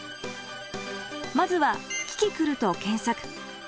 まずは「キキクル」と検索。